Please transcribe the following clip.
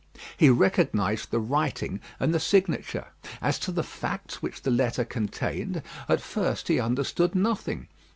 He recognised the writing and the signature. As to the facts which the letter contained, at first he understood nothing.